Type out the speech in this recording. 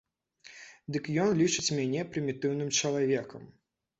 Дык ён лічыць мяне прымітыўным чалавекам.